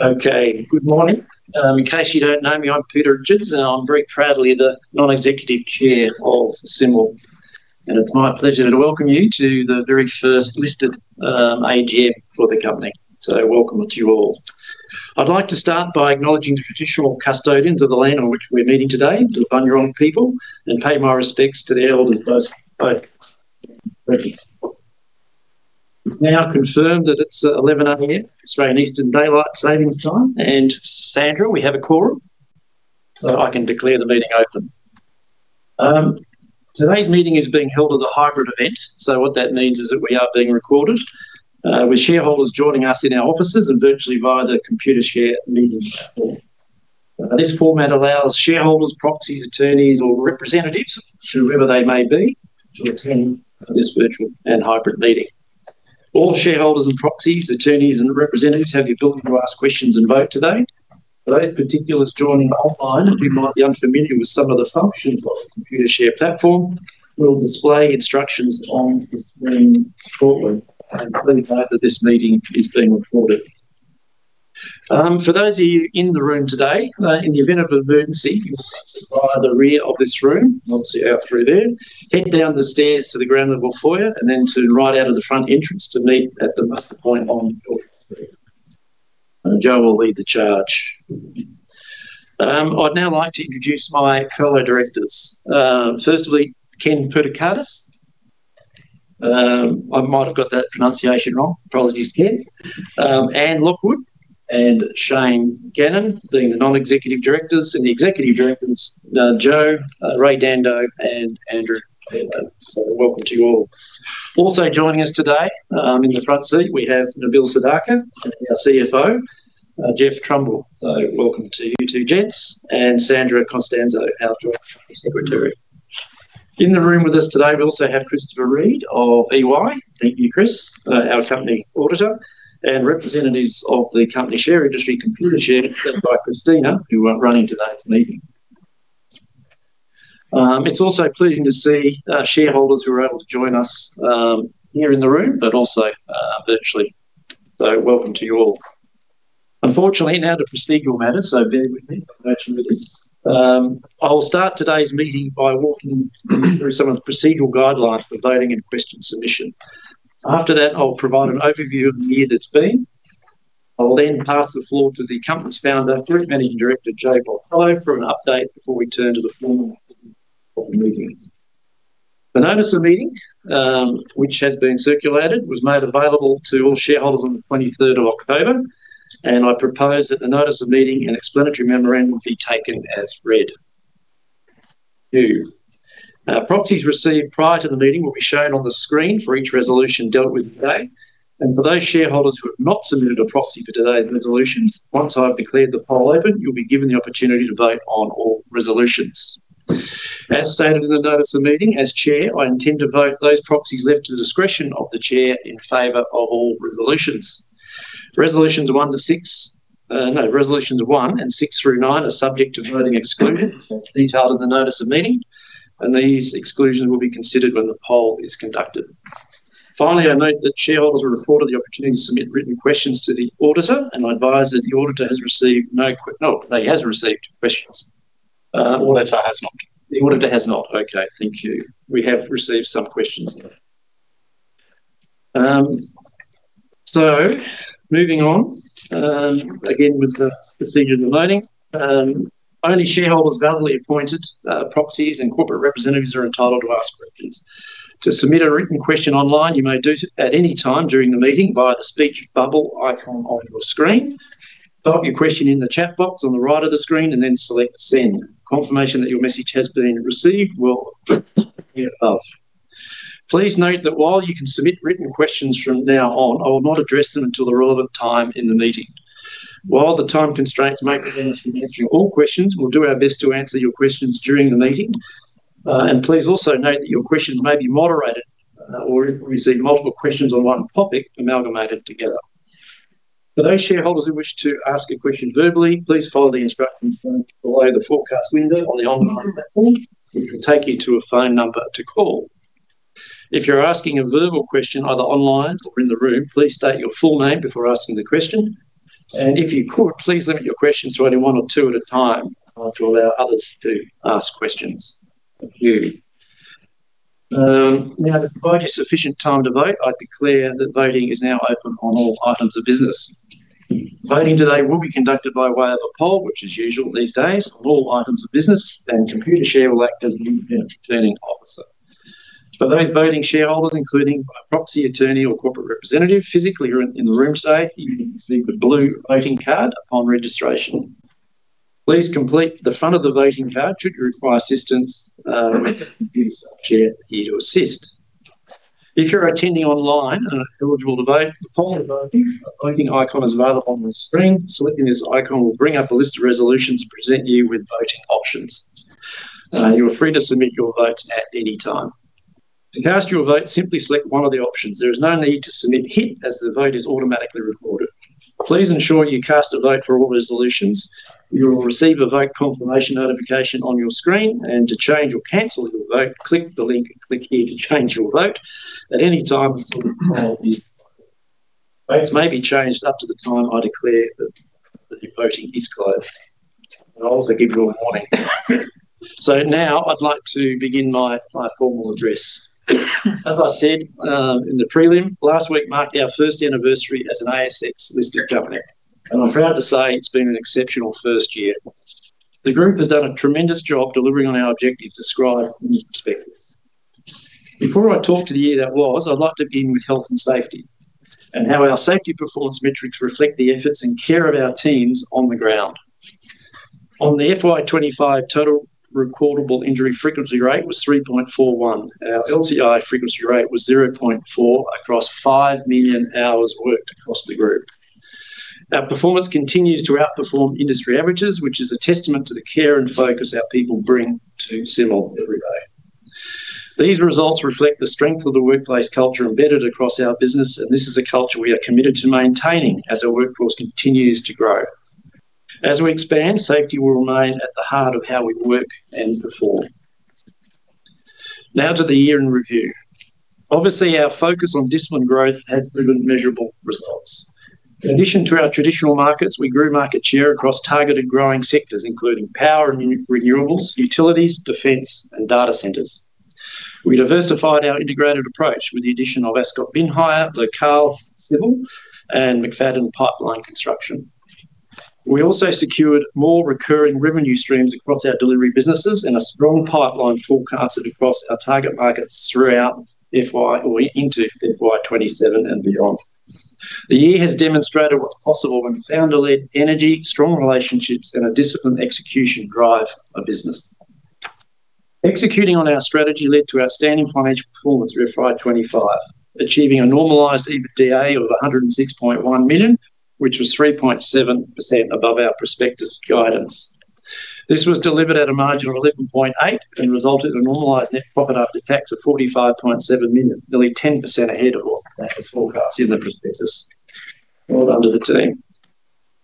Okay. Good morning. I'm Peter Richards, and I'm very proudly the non-executive chair of Symal. It's my pleasure to welcome you to the very first listed AGM for the company. Welcome to you all. I'd like to start by acknowledging the traditional custodians of the land on which we're meeting today, the Bunurong people, and pay my respects to the elders both. Thank you. It's now confirmed that it's 11:00 A.M. Australian Eastern Daylight Time. Sandra, we have a quorum, so I can declare the meeting open. Today's meeting is being held as a hybrid event, which means we are being recorded with shareholders joining us in our offices and virtually via the Computershare meeting platform. This format allows shareholders, proxies, attorneys, or representatives, whoever they may be, to attend this virtual and hybrid meeting. All shareholders and proxies, attorneys, and representatives have the ability to ask questions and vote today. For those particulars joining online who might be unfamiliar with some of the functions of the Computershare platform, we'll display instructions on the screen shortly. Please note that this meeting is being recorded. For those of you in the room today, in the event of an emergency, you'll be proceed via the rear of this room, obviously out through there, head down the stairs to the ground level foyer, and then turn right out of the front entrance to meet at the muster point on the third floor. Joe will lead the charge. I'd now like to introduce my fellow directors. Firstly, Ken Poutakidis. I might have got that pronunciation wrong. Apologies, Ken. Anne Lockwood the Independent Director and Shane Gannon being the Independent Non-Executive Directors. The executive directors, Joe, Ray Dando the Executive Director, and Andrew Fairbairn the Executive Director and Director of Governance. Welcome to you all. Also joining us today in the front seat, we have Nabeel Sadaka, our CEO, and our CFO, Geoff Trumbull. Welcome to you two, gents. Sandra Constanza, our General Counsel and Joint Company Secretary. In the room with us today, we also have Christopher Reed of EY, the company auditor. Thank you, Chris, our company auditor. And representatives of the company share registry, Computershare, led by Christina, who are running today's meeting. It's also pleasing to see shareholders who are able to join us here in the room, but also virtually. Welcome to you all. Unfortunately, now the procedural matters, so bear with me for virtual meetings. I will start today's meeting by walking through some of the procedural guidelines for voting and question submission. After that, I'll provide an overview of the year that's been. I'll then pass the floor to the Symal founder, Group Managing Director, Joe Bartolo, for an update before we turn to the formal meeting of the meeting. The notice of meeting, which has been circulated, was made available to all shareholders on October 23rd. I propose that the notice of meeting and explanatory memorandum be taken as read. Proxies received prior to the meeting will be shown on the screen for each resolution dealt with today. For those shareholders who have not submitted a proxy for today's resolutions, once I've declared the poll open, you'll be given the opportunity to vote on all resolutions. As stated in the notice of meeting, as Chair, I intend to vote those proxies left to the discretion of the Chair in favor of all resolutions. Resolutions 1 and 6-9 are subject to voting excluded, as detailed in the notice of meeting. These exclusions will be considered when the poll is conducted. Finally, I note that shareholders are afforded the opportunity to submit written questions to the auditor. I advise that the auditor has received no quick—no, they have received questions. The auditor has not. The auditor has not. Okay. Thank you. We have received several questions. Moving on, regarding the voting procedure, only shareholders who are validly appointed proxies, and corporate representatives are entitled to ask questions. To submit a written question online, you may do so at any time during the meeting via the speech bubble icon on your screen. Type your question into the chat box on the right side of the screen and then select send. Confirmation that your message has been received will appear above. Please note that while you can submit written questions from now on, I will not address them until the relevant time in the meeting. While the time constraints may be limited to answering all questions, we'll do our best to answer your questions during the meeting. Please also note that your questions may be moderated or combined with other question on the same topic. For those shareholders wishing to ask a question verbally, please follow the instructions below the forecast window on the online platform, which will take you to a phone number to call. If you're asking a verbal question either online or in the room, please state your full name before asking the question. If you could, please limit your questions to only one or two at a time to allow others to ask questions. Thank you. Now, to provide you sufficient time to vote, I declare that voting is now open for all items of business. Voting today will be conducted by way of a poll, which is usual these days, on all items of business, and Computershare will act as the returning officer. For those voting shareholders, including proxies, attorneyss, or corporate representative, attending physically, you can receive a blue voting card upon registration. Please complete the front of the voting card should you require assistance, and Computershare representative is available to help. If you're attending online and are eligible to vote, the poll voting icon is available on the screen. Selecting this icon will bring up a list of resolutions to present you with voting options. You are free to submit your votes at any time. To cast your vote, simply select one of the options. There is no need to "submit" as your vote is automatically recorded. Please ensure you cast a vote for all resolutions. You will receive a vote confirmation notification on your screen. To change or cancel your vote, click the link that says "click here to change your vote." At any time, the poll is open, votes may be changed up to the time I declare that your voting is closed. I'll also give you a warning. Now I'd like to begin my formal address. As I said in the prelim, last week marked our first anniversary as an ASX-listed company. I'm proud to say it's been an exceptional first year. The group has done a tremendous job delivering on our objectives described in the prospectus. Before I talk to the year that was, I'd like to begin with health and safety and how our safety performance metrics reflect the efforts and care of our teams on the ground. Foe FY25, our total recordable injury frequency rate was 3.41, and our Lost-TIme Injury (LTI) frequency rate was 0.4 across 5 million hours worked across the group. Our performance continues to outperform industry averages, which is a testament to the care and focus our people bring to Symal every day. These results reflect the strength of the workplace culture embedded across our business, and this is a culture we are committed to maintaining as our workforce continues to grow. As we expand, safety will remain at the heart of how we work and perform. Now, moving to the year in review. Obviously, our focus on disciplined growth has proven measurable results. In addition to our traditional markets, we grew market share across targeted growing sectors, including power and renewables, utilities, defence, and data centers. We diversified our integrated approach with the addition of Ascot Bin Hire by Sycle, and McFadyen Group. We also secured more recurring revenue streams across our delivery businesses and a strong pipeline forecasted across our target markets throughout FY2027 and beyond. The year has demonstrated what's possible when founder-led energy, strong relationships, and a discipline execution drive a business. Executing on our strategy led to outstanding financial performance for FY25, achieving a normalised EBITDA of 106.1 million, which was 3.7% above our prospectus guidance. This was delivered at a margin of 11.8% and resulted in a normalised net profit after tax of 45.7 million, nearly 10% ahead of what was forecast in the prospectus. Well done to the team.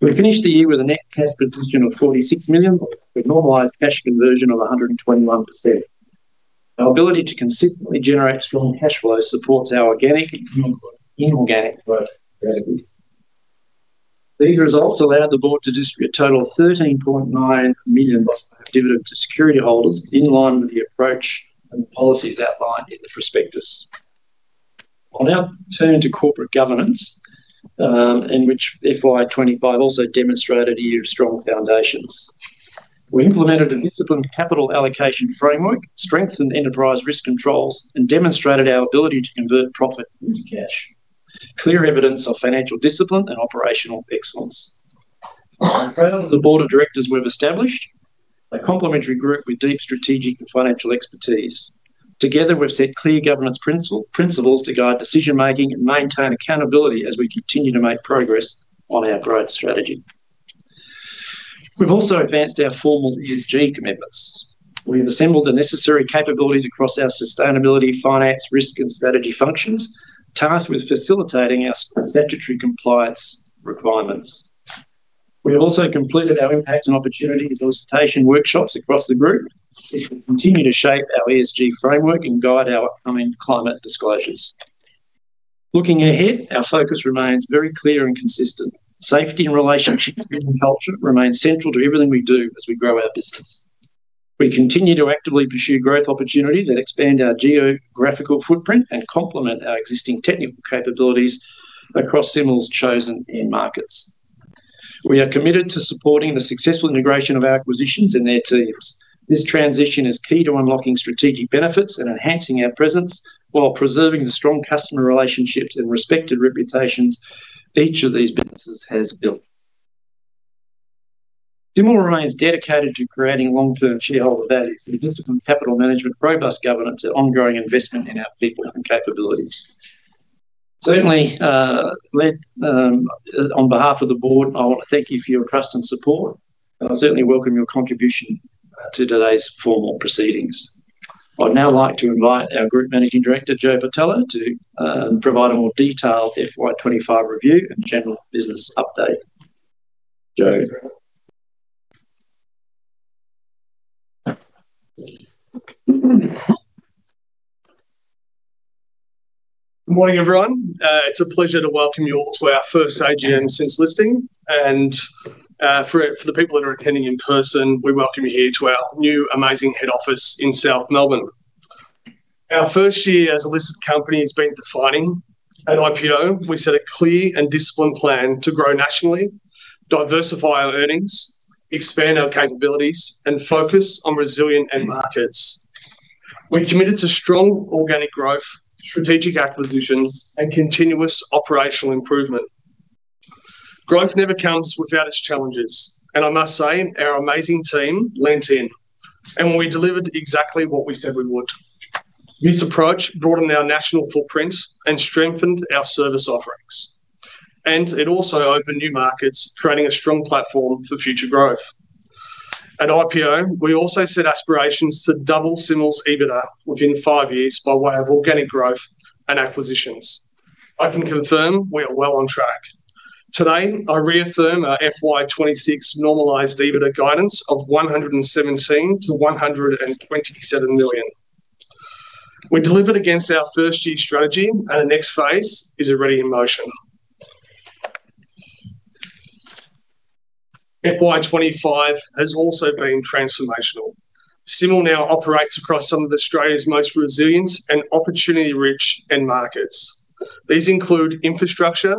We finished the year with a net cash position of 46 million, with normalised cash conversion of 121%. Our ability to consistently generate strong cash flows supports our organic and inorganic growth strategy. These results allowed the board to distribute a total of 13.9 million dollars in dividends to security holders in line with the approach and policies outlined in the prospectus. I'll now turn to corporate governance, in which FY25 also demonstrated a year of strong foundations. We implemented a disciplined capital allocation framework, strengthened enterprise risk controls, and demonstrated our ability to convert profit into cash. Clear evidence of financial discipline and operational excellence. I'm proud that the board of directors we've established is a complementary group with deep strategic and financial expertise. Together, we've set clear governance principles to guide decision-making and maintain accountability as we continue to make progress on our growth strategy. We've also advanced our formal ESG commitments. We've assembled the necessary capabilities across our sustainability, finance, risk, and strategy functions, tasked with facilitating our statutory compliance requirements. We've also completed our impact and opportunity solicitation workshops across the group, which will continue to shape our ESG framework and guide our upcoming climate disclosures. Looking ahead, our focus remains very clear and consistent. Safety, relationships, and culture remain central to everything we do as we grow our business. We continue to actively pursue growth opportunities and expand our geographical footprint and complement our existing technical capabilities across Symal's chosen end markets. We are committed to supporting the successful integration of our acquisitions and their teams. This transition is key to unlocking strategic benefits and enhancing our presence while preserving the strong customer relationships and respected reputations each of these businesses has built. Symal remains dedicated to creating long-term shareholder value, disciplined capital management, robust governance, and ongoing investment in our people and capabilities. Certainly, on behalf of the board, I want to thank you for your trust and support. I certainly welcome your contribution to today's formal proceedings. I'd now like to invite our Group Managing Director, Joe Bartolo, to provide a more detailed FY25 review and general business update. Joe. Good morning, everyone. It's a pleasure to welcome you all to our first AGM since listing. For the people that are attending in person, we welcome you here to our new, head office in South Melbourne. Our first year as a listed company has been defining. At IPO, we set a clear and disciplined plan to grow nationally, diversify our earnings, expand our capabilities, and focus on resilient end markets. We're committed to strong organic growth, strategic acquisitions, and continuous operational improvement. Growth never comes without its challenges. I must say, our team leaned in, and we delivered exactly what we said we would. This approach broadened our national footprint and strengthened our service offerings. It also opened new markets, creating a strong platform for future growth. At IPO, we also set aspirations to double Symal's EBITDA within five years by way of organic growth and acquisitions. I can confirm we are well on track. Today, I reaffirm our FY26 normalised EBITDA guidance of 117 million-127 million. We delivered against our first-year strategy, and the next phase is already in motion. FY25 has also been transformational. Symal now operates across some of Australia's most resilient and opportunity-rich end markets. These include infrastructure,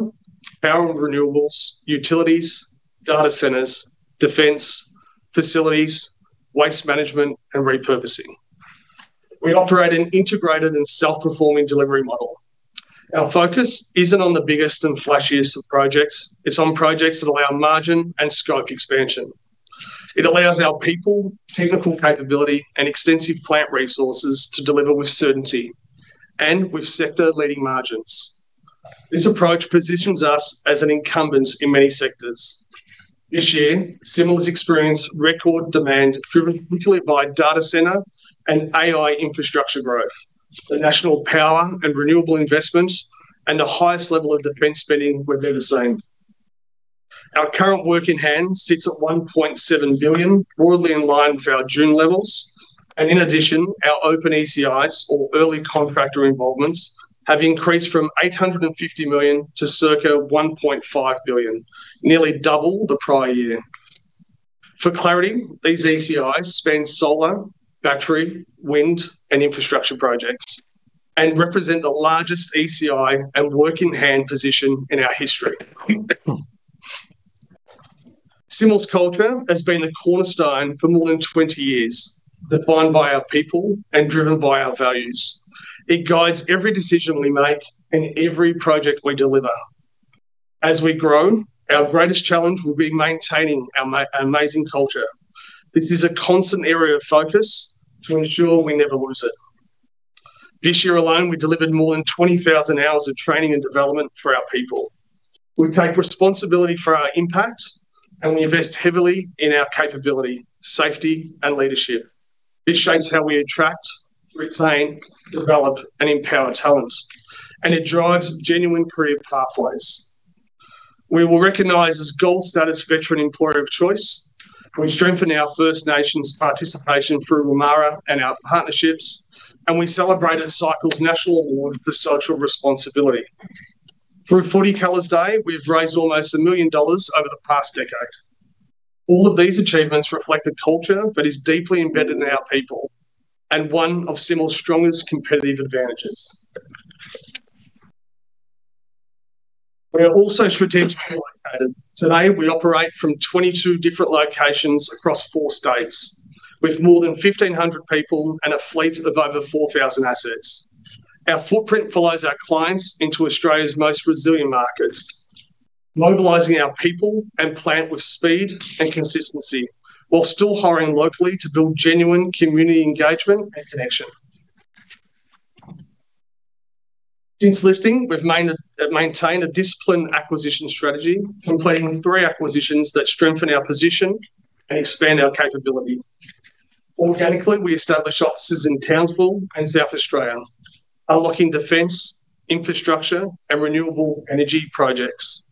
power and renewables, utilities, data centres, defence, facilities, waste management, and repurposing. We operate an integrated and self-performing delivery model. Our focus isn't on the biggest and flashiest of projects. It's on projects that allow margin and scope expansion. It allows our people, technical capability, and extensive plant resources to deliver with certainty and with sector-leading margins. This approach positions us as an incumbent in many sectors. This year, Symal has experienced record demand, driven particularly by data centre and AI infrastructure growth. The national power and renewable investments and the highest level of defence spending were unprecedented. Our current work in hand sits at 1.7 billion, broadly in line with our June levels. In addition, our open ECIs, or early contractor involvements, have increased from 850 million to circa 1.5 billion, nearly double the prior year. For clarity, these ECIs span solar, battery, wind, and infrastructure projects and represent the largest ECI and work in hand position in our history. Symal's culture has been the cornerstone for more than 20 years, defined by our people and driven by our values. It guides every decision we make and every project we deliver. As we grow, our greatest challenge will be maintaining our culture. This is a constant area of focus to ensure we never lose it. This year alone, we delivered more than 20,000 hours of training and development for our people. We take responsibility for our impact, and we invest heavily in our capability, safety, and leadership. This shapes how we attract, retain, develop, and empower talent, and it drives genuine career pathways. We were recognized as Gold Status Veteran Employer of Choice. We strengthened our First Nations participation through Wamarra and our partnerships, and we celebrated Sycle's National Award for Social Responsibility. Through Footy Colours Day, we have raised almost 1 million dollars over the past decade. All of these achievements reflect a culture that is deeply embedded in our people and one of Symal's strongest competitive advantages. We are also strategically located. Today, we operate from 22 different locations across four states, with more than 1,500 people and a fleet of over 4,000 assets. Our footprint follows our clients into Australia's most resilient markets, mobilizing our people and plant with speed and consistency while still hiring locally to build genuine community engagement and connection. Since listing, we've maintained a disciplined acquisition strategy, completing three acquisitions that strengthen our position and expand our capability. Organically, we established offices in Townsville and South Australia, unlocking defence, infrastructure, and renewable energy projects.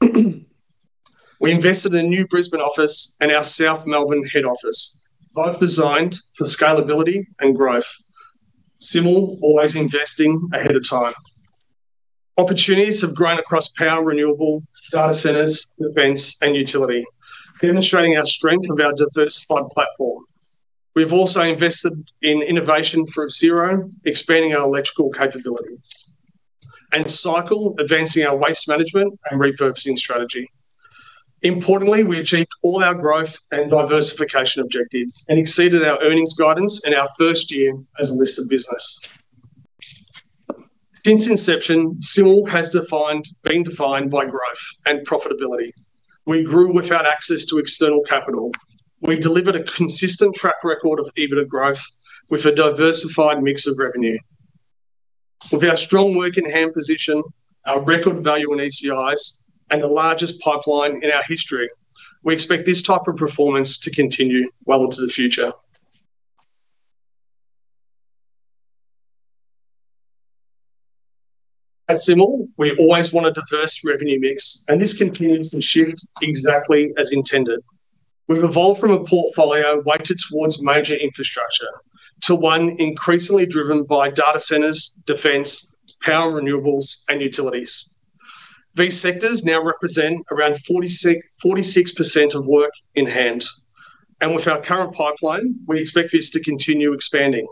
We invested in a new Brisbane office and our South Melbourne head office, both designed for scalability and growth. Symal is always investing ahead of time. Opportunities have grown across power, renewables, data centers, defence, and utility, demonstrating our strength in our diversified platform. We've also invested in innovation through Xero, expanding our electrical capability, and Sycle, advancing our waste management and repurposing strategy. Importantly, we achieved all our growth and diversification objectives and exceeded our earnings guidance in our first year as a listed business. Since inception, Symal has been defined by growth and profitability. We grew without access to external capital. We've delivered a consistent track record of EBITDA growth with a diversified mix of revenue. With our strong work in hand position, our record value in ECIs, and the largest pipeline in our history, we expect this type of performance to continue well into the future. At Symal, we always want a diverse revenue mix, and this continues to shift exactly as intended. We've evolved from a portfolio weighted towards major infrastructure to one increasingly driven by data centres, defence, power renewables, and utilities. These sectors now represent around 46% of work-in-hand. With our current pipeline, we expect this to continue expanding.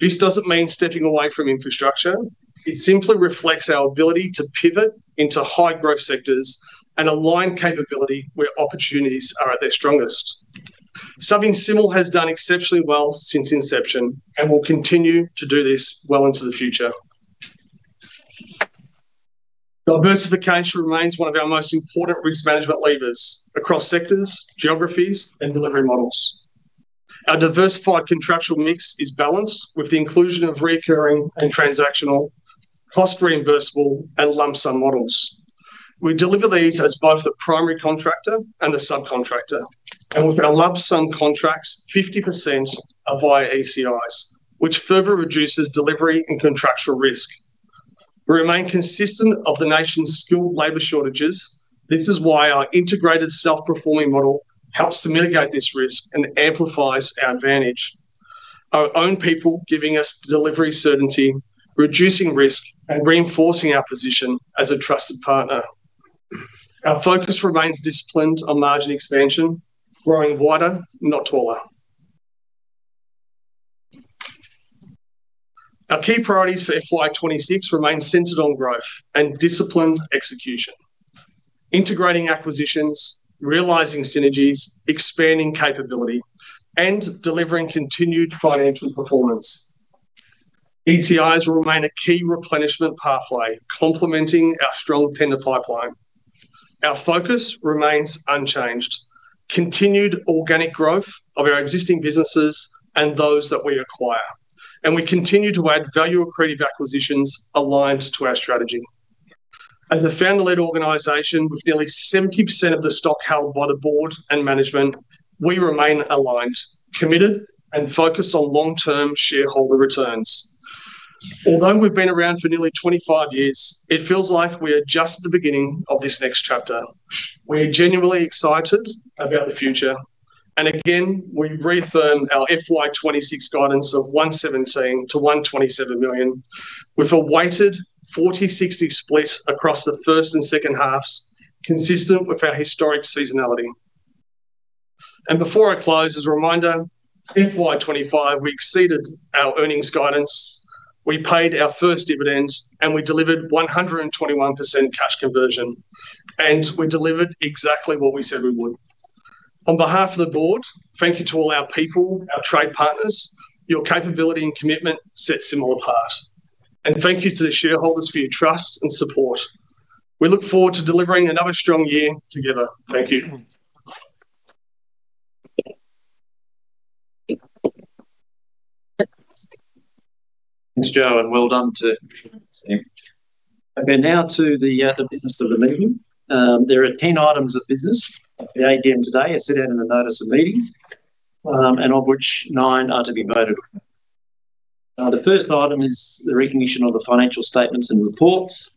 This does not mean stepping away from infrastructure. It simply reflects our ability to pivot into high-growth sectors and align capability where opportunities are at their strongest. This is something Symal has done exceptionally well since inception and will continue to do this well into the future. Diversification remains one of our most important risk management levers across sectors, geographies, and delivery models. Our diversified contractual mix is balanced with the inclusion of recurring and transactional, cost-reimbursable, and lump-sum models. We deliver these as both the primary contractor and the subcontractor. With our lump-sum contracts, 50% are via ECIs, which further reduces delivery and contractual risk. We remain cognizant of the nation's skilled labor shortages. This is why our integrated self-performing model helps to mitigate this risk and amplifies our advantage. Our own people give us delivery certainty, reducing risk, and reinforcing our position as a trusted partner. Our focus remains disciplined on margin expansion, growing wider, not taller. Our key priorities for FY26 remain centered on growth and disciplined execution, integrating acquisitions, realizing synergies, expanding capability, and delivering continued financial performance. ECIs will remain a key replenishment pathway, complementing our strong tender pipeline. Our focus remains unchanged. We will continued organic growth of our existing businesses and those that we acquire. We continue to add value-accretive acquisitions aligned to our strategy. As a family-led organization with nearly 70% of the stock held by the board and management, we remain aligned, committed, and focused on long-term shareholder returns. Although we've been around for nearly 25 years, it feels like we are just at the beginning of this next chapter. We are genuinely excited about the future. We reaffirm our FY26 guidance of 117 million-127 million, with a weighted 40%-60% split across the first and second halves, consistent with our historic seasonality. Before I close, as a reminder, in FY25, we exceeded our earnings guidance. We paid our first dividends, and we delivered 121% cash conversion. We delivered exactly what we said we would. On behalf of the board, thank you to all our people and our trade partners. Your capability and commitment set Symal apart. Thank you to the shareholders for your trust and support. We look forward to delivering another strong year together. Thank you. Thanks, Joe. And well done to the team. Okay, now to the business of the meeting. There are 10 items of business at the AGM today, as set out in the notice of meeting, of which nine are subject to vote. The first item is the recognition of the financial statements and reports.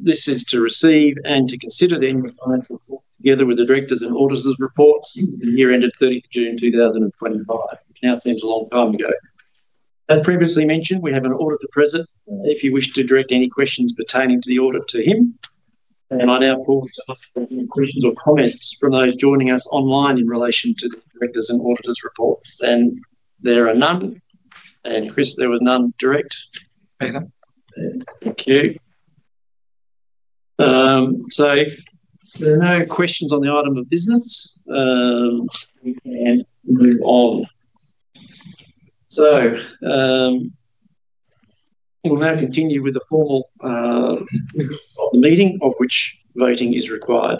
This is to receive and to consider them in the financial report together with the directors and auditors' reports at the year ended 30th of June 2025, which now seems a long time ago. As previously mentioned, we have an auditor present. If you wish to direct any questions pertaining to the audit to him. I now pause to ask questions or comments from those joining us online in relation to the directors and auditors' reports. There were none. Chris, there was none direct. Okay. Thank you. There are no questions on the item of business. We can move on. We will now continue with the formal minutes of the meeting, for which voting is required.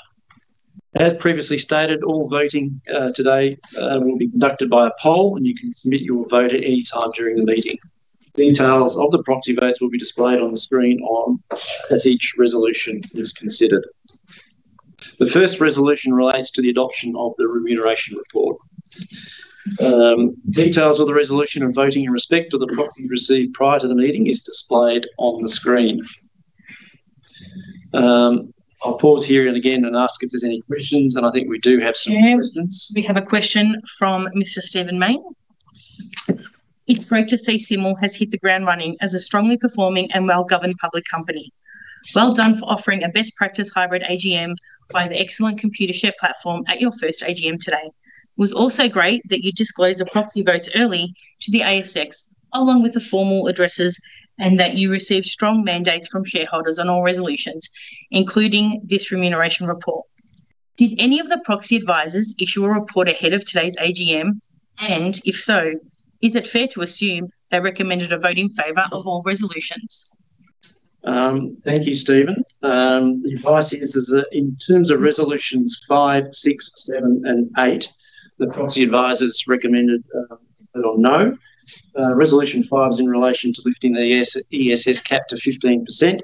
As previously stated, all voting today will be conducted by a poll, and you can submit your vote at any time during the meeting. Details of the proxy votes will be displayed on the screen as each resolution is considered. The first resolution relates to the adoption of the remuneration report. Details of the resolution and voting in respect of the proxy received prior to the meeting are displayed on the screen. I'll pause here again and ask if there are any questions. I think we do have some questions. We have a question from Mr. Stephen Mayne. It's great to see Symal has hit the ground running as a strongly performing and well-governed public company. Well done for offering a best-practice hybrid AGM via the excellent Computershare platform at your first AGM today. It was also great that you disclosed the proxy votes early to the ASX, along with the formal addresses, and that you received strong mandates from shareholders on all resolutions, including this remuneration report. Did any of the proxy advisors issue a report ahead of today's AGM? If so, is it fair to assume they recommended a vote in favor of all resolutions? Thank you, Stephen. The advice is that, in terms of resolutions five, six, seven, and eight, the proxy advisors recommended a vote on no. Resolution five is in relation to lifting the ESS cap to 15%,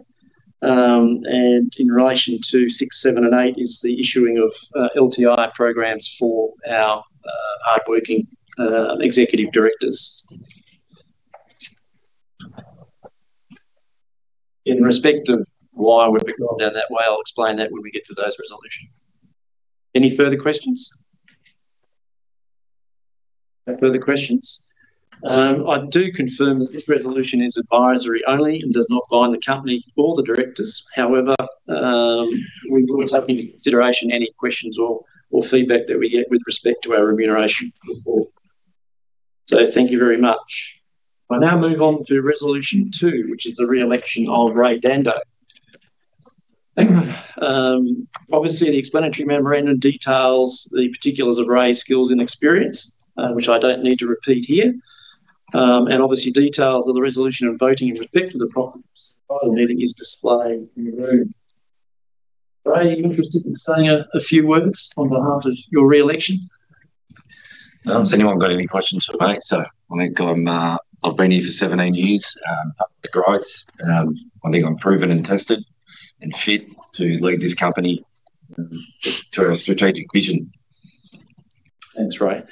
and in relation to six, seven, and eight is the issuing of LTI programs for our hardworking executive directors. In respect of why we've gone down that way, I'll explain that when we get to those resolutions. Any further questions? No further questions. I do confirm that this resolution is advisory only and does not bind the company or the directors. However, we will take into consideration any questions or feedback that we get with respect to our remuneration report. Thank you very much. I'll now move on to resolution two, which is the re-election of Ray Dando. Obviously, the explanatory memorandum details the particulars of Ray Dando's skills and experience, which I do not need to repeat here. Obviously, details of the resolution and voting in respect of the proxy voting are displayed in the room. Ray, are you interested in saying a few words on behalf of your re-election? I do not see anyone with any questions for me. I have been here for 17 years. I'm up to growth. I believe I'm proven, tested, and fit to lead this company toward our strategic vision. Thanks, Ray.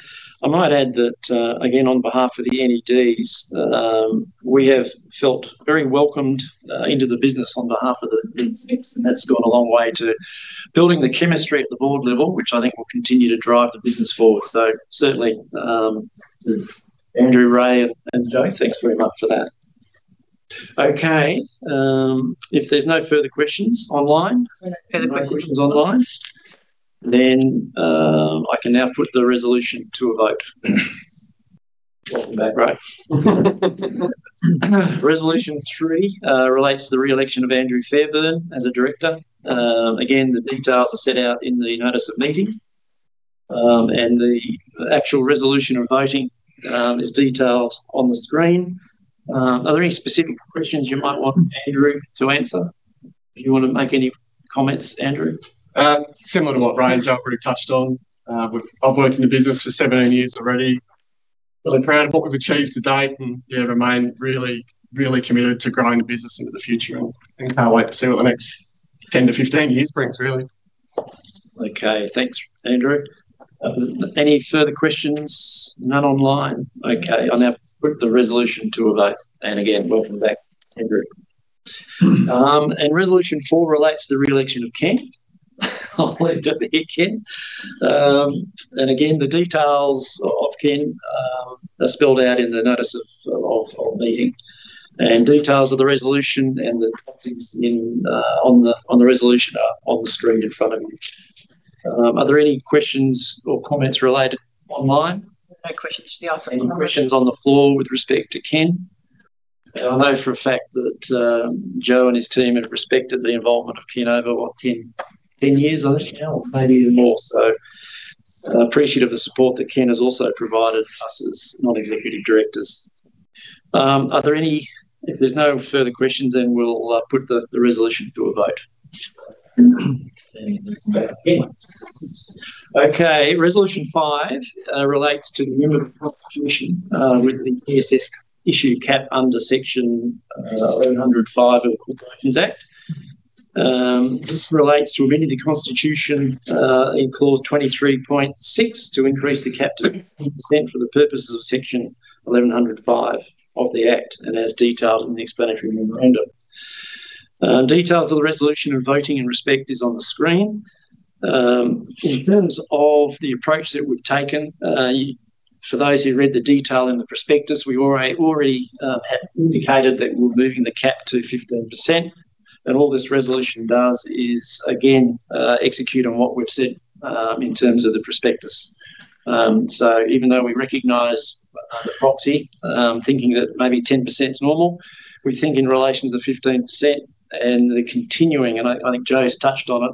I might add that, again, on behalf of the NEDs, we have felt very welcomed into the business on behalf of the NEDs. That has gone a long way to building board-level chemistry, which I think will continue to drive the business forward. Certainly, Andrew, Ray, and Joe, thanks very much for that. If there are no further questions online, no further questions online, then I can now put the resolution to a vote. Welcome back, Ray. Resolution three relates to the re-election of Andrew Fairbairn as a director. Again, the details are set out in the notice of meeting. The actual resolution and voting is detailed on the screen. Are there any specific questions you might want Andrew to answer? Do you want to make any comments, Andrew? Similar to what Ray and Joe have already mentioned. I've worked in the business for 17 years already. Really proud of what we've achieved to date and remain very committed to growing the business into the future. I can't wait to see what the next 10-15 years bring, really. Okay. Thanks, Andrew. Any further questions? None online. Okay. I'll now put the resolution to a vote. Again, welcome back, Andrew. Resolution four relates to the re-election of Ken. I'll leave it up to Ken. Again, the details of Ken are spelled out in the notice of meeting. Details of the resolution and the proxies on the resolution are on the screen in front of you. Are there any questions or comments related online? No questions to ask. Any questions on the floor with respect to Ken? I know for a fact that Joe and his team have respected the involvement of Ken over what, 10 years, I think now, or maybe even more. So appreciative of the support that Ken has also provided us as non-executive directors. Are there any? If there's no further questions, then we'll put the resolution to a vote. Resolution five relates to the member constitution with the ESS issue cap under section 1105 of the Corporations Act. This relates to amending the constitution in clause 23.6 to increase the cap to 15% for the purposes of section 1105 of the act and as detailed in the explanatory memorandum. Details of the resolution and voting are displayed on the screen. In terms of the approach that we've taken, for those who read the details in the prospectus, we have already indicated that we're moving the cap to 15%. All this resolution does is execute on what we've said in terms of the prospectus. Even though we recognize the proxy, thinking that maybe 10% is normal, we think in relation to the 15% and the continuing, and I think Joe has touched on it,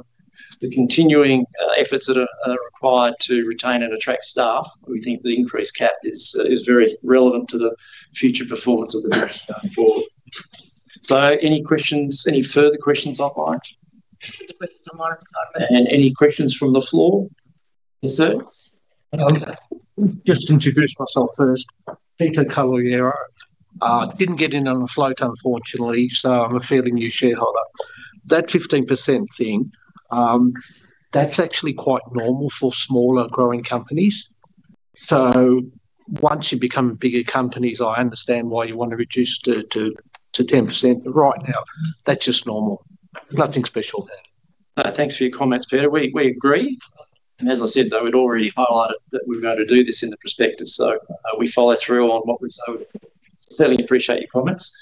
the continuing efforts required to retain and attract staff, we think the increased cap is very relevant to the future performance of the board. Any questions, or any further questions online? No further questions online at this time. Are there any questions from the floor? Yes, sir? Just to introduce myself first, Peter Collier. I didn't get in on the float, unfortunately, so I'm a fairly new shareholder. That 15% cap is actually quite normal for smaller growing companies. Once you become bigger companies, I understand why you want to reduce it to 10%. Right now, that's just normal. Nothing special there. Thanks for your comments, Peter. We agree. As I said, though, we'd already highlighted that we're going to do this in the prospectus. We follow through on what we've said. We certainly appreciate your comments.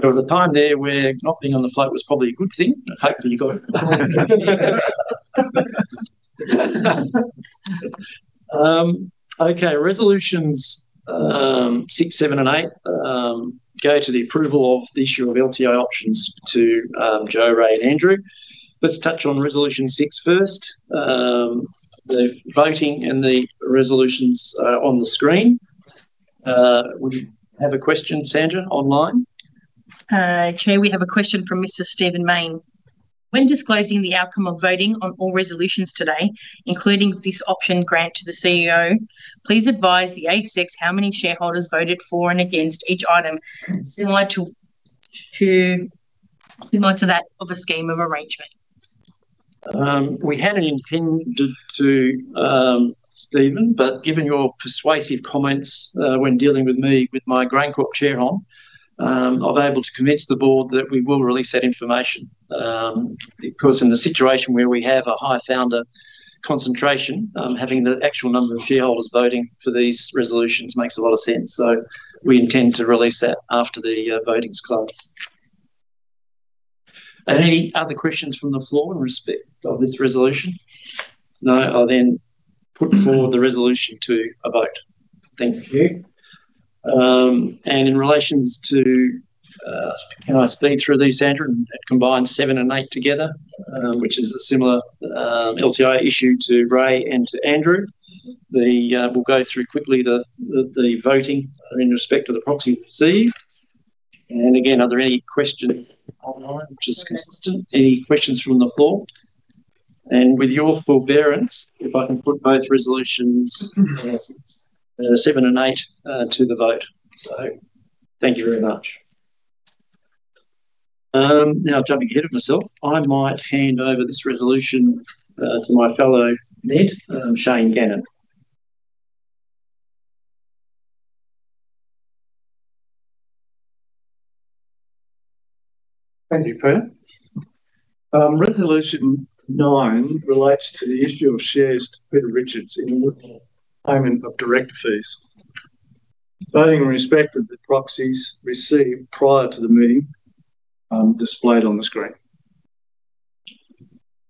During the time there, not being on the float was probably a good thing. Hopefully, you got it. Okay. Resolutions six, seven, and eight go to the approval of the issue of LTI options to Joe, Ray, and Andrew. Let's touch on resolution six first. The voting and the resolutions are on the screen. Would you have a question, Sandra, online? Chair, we have a question from Mr. Stephen Mayne. When disclosing the outcome of voting on all resolutions today, including this option grant to the CEO, please advise the ASX how many shareholders voted for and against each item, similar to that of a scheme of arrangement. We had it intended to, Stephen, but given your persuasive comments when dealing with me with my Grain Corp chair on, I am able to convince the board that we will release that information. Of course, in the situation where we have a high founder concentration, having the actual number of shareholders voting for these resolutions makes a lot of sense. We intend to release that after the voting is closed. Any other questions from the floor in respect of this resolution? No. I will then put forward the resolution to a vote. Thank you. In relation to, can I speed through these, Sandra? It combines resolution seven and eight together, which is a similar LTI issue to Ray and to Andrew. We will go through quickly the voting in respect of the proxy received. Again, are there any questions online which is consistent? Any questions from the floor? With your forbearance, if I can put both resolutions seven and eight to the vote. Thank you very much. Now, jumping ahead of myself, I might hand over this resolution to my fellow NED, Shane Gannon. Thank you, Peter. Resolution nine relates to the issue of shares to Peter Richards in the payment of director fees, voting in respect of the proxies received prior to the meeting displayed on the screen.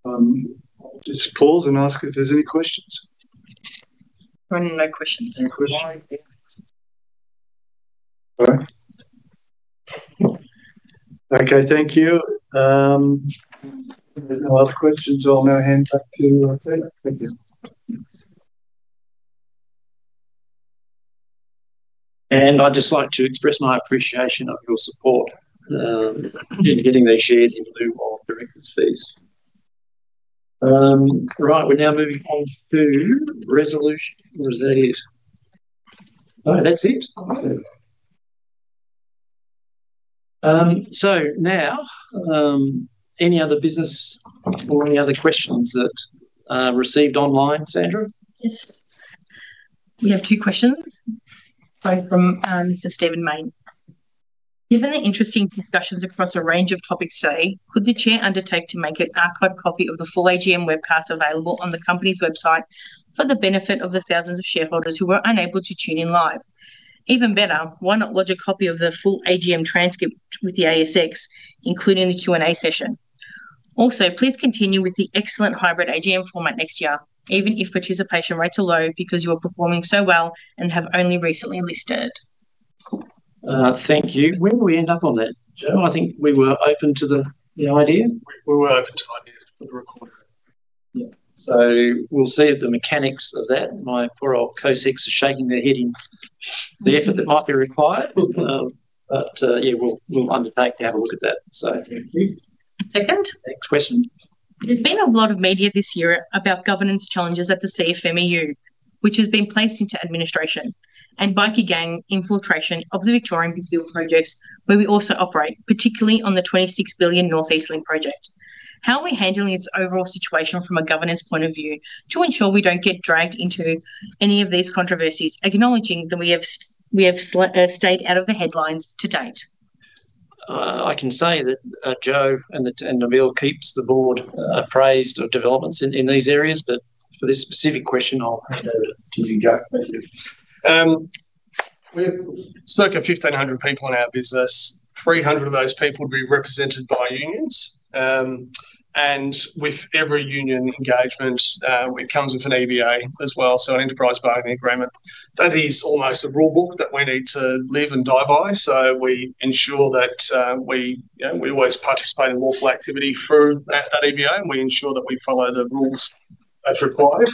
I'll just pause and ask if there's any questions. No questions. No questions. Sorry. Okay. Thank you. There are no further questions. I'll now hand back to Peter. Thank you. I'd just like to express my appreciation for your support in getting these shares in lieu of director's fees. All right. We are now moving on to next resolution. Was that it? All right. That's it. Now, are there any other business items or questions that are received online, Sandra? We have two questions. Sorry, from Mr. Stephen Mayne. Given the interesting discussions across a range of topics today, could the Chair undertake to make an archived copy of the full AGM webcast available on the company's website for the benefit of the thousands of shareholders who were unable to tune in live? Even better, why not lodge a copy of the full AGM transcript with the ASX, including the Q&A session? Also, please continue with the excellent hybrid AGM format next year, even if participation rates are low because you are performing so well and have only recently listed. Thank you. Where do we end up on that, Joe? I think we were open to the idea. We were open to the idea for the recording. We'll see how the mechanics of that work. My poor old COSECs are shaking their head in the effort that might be required. We'll undertake to have a look at that. Thank you. Second. Next question. There's been a lot of media this year about governance challenges at the CFMEU, which has been placed into administration, and bikie-gang infiltration of the Victorian Big Build projects where we also operate, particularly on the 26 billion North East Link project. How are we handling this situation overall from a governance perspective to ensure we don't get dragged into any of these controversies, acknowledging that we have stayed out of the headlines to date? I can say that Joe and Nabeel keep the board appraised of developments in these areas. For this specific question, I'll hand over to you, Joe. We're circa 1,500 people in our business. Three hundred of those people are represented by unions. With every union engagement, it comes with an EBA as well, so an enterprise bargaining agreement. That is almost a rulebook that we need to live and die by. We ensure that we always participate in lawful activities through that EBA, and we ensure that we follow the rules as required.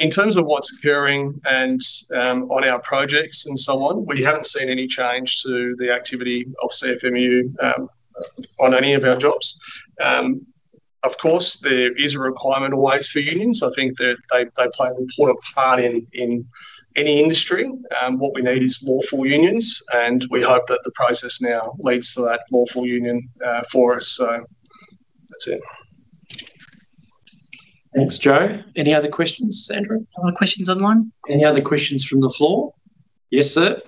In terms of what's occurring on our projects and so on, we haven't seen any change to the activity of the CFMEU on any of our jobs. Of course, there is a requirement always for unions. I think they play an important part in any industry. What we need is lawful unions, and we hope that the process now leads to that lawful union for us. That's it. Thanks, Joe. Any other questions, Sandra? No questions online. Any other questions from the floor? Yes, sir.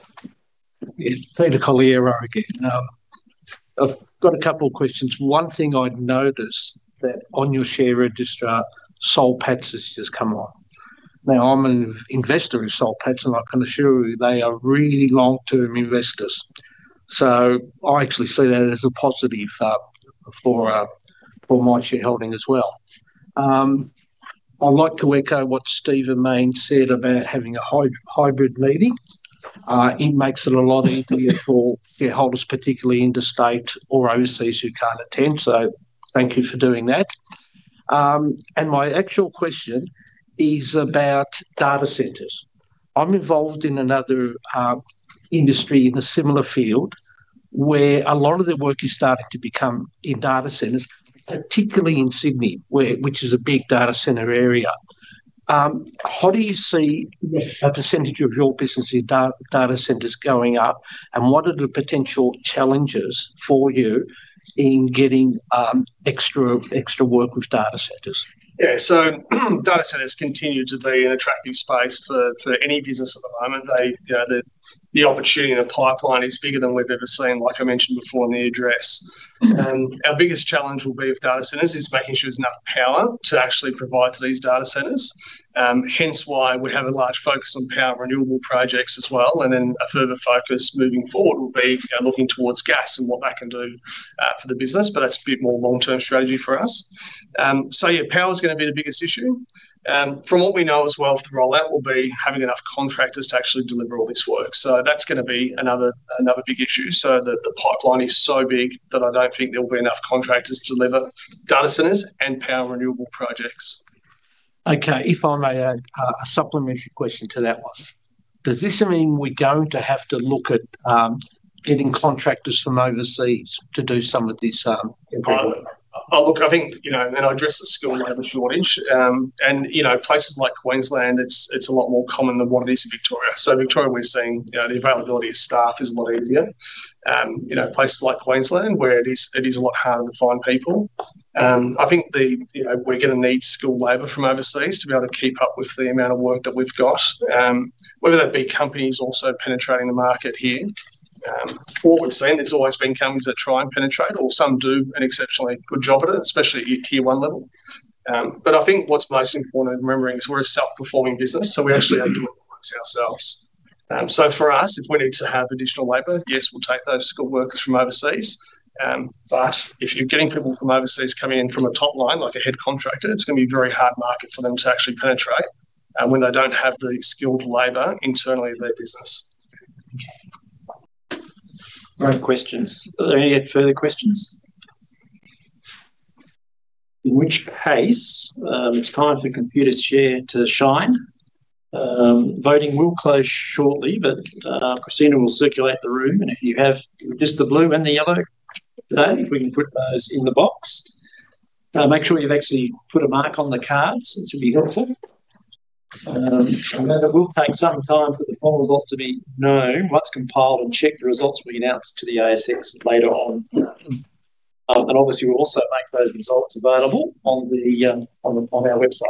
Peter Collier again. I've got a couple of questions. One thing I'd notice that on your share register, Soul Pattinson has just come on. Now, I'm an investor in Soul Pattinson, and I can assure you they are really long-term investors. I actually see that as a positive for my shareholding as well. I'd like to echo what Stephen Mayne said about having a hybrid meeting. It makes it a lot easier for shareholders, particularly interstate or overseas, who can't attend. Thank you for doing that. My actual question is about data centers. I'm involved in another industry in a similar field where a lot of the work is starting to become in data centers, particularly in Sydney, which is a big data center area. How do you see the percentage of your business in data centers increasing, and what are the potential challenges for you in getting extra work with data centers? Data centers continue to be an attractive space for any business at the moment. The opportunity in the pipeline is bigger than we've ever seen, like I mentioned before in the address. Our biggest challenge with data centers will be making sure there's enough power supply to actually provide to these data centers. Hence why we have a large focus on power-renewable projects as well. A further focus moving forward will be looking towards gas projects and what that can do for the business. That's a bit more long-term strategy for us. Power is going to be the biggest issue. From what we know as well from all that, we'll be having enough contractors to actually deliver all this work. That's going to be another big issue. The pipeline is so big that I don't think there will be enough contractors to deliver both data centers and power-renewable projects. If I may add a supplementary question to that one. Does this mean we're going to have to look at getting contractors from overseas to do some of this? I'll address the skilled labor shortage. In places like Queensland, it's a lot more common than what it is in Victoria. In Victoria, we've seen the availability of staff is a much easier. Places like Queensland, where it is a lot harder to find people, we anticipate needing skilled labor from overseas to be able to keep up with the amount of work that we've got, whether that be companies also penetrating the market here. What we've seen, there's always been companies that try and penetrate, or some do an exceptionally good job at it, especially at your tier-one level. I think what's most important in remembering is we're a self-performing business, so we actually have to do all the work ourselves. For us, if we need to have additional skilled workers, yes, we'll take those skilled workers from overseas. If you're getting people from overseas coming in from a top-line contractor perspective, it's going to be a very hard market for them to actually penetrate when they don't have the internal skilled labor in their business. Great questions. Are there any further questions? In which case, it's time for Computershare to shine. Voting will close shortly, but Christina will circulate the room. If you have just the blue and yellow voting cards today, we can put those in the box. Make sure you've actually put a marked the cards. It should be helpful. It will take some time for the final results to be known. Once compiled and checked, the results will be announced to the ASX later on. Obviously, we'll also make those results available on our website.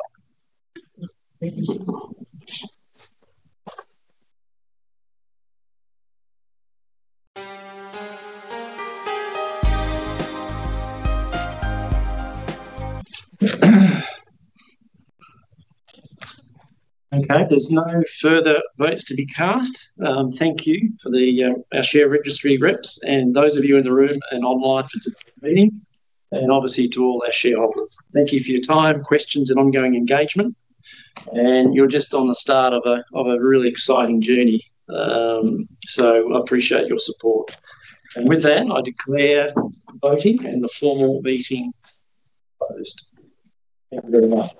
There's no further votes to be cast. Thank you for our share registry reps, and those of you in the room and online for today's meeting, and obviously to all our shareholders. Thank you for your time, questions, and ongoing engagement. You're just at the start of a really exciting journey. I appreciate your support. With that, I declare voting and the formal meeting closed. Thank you very much.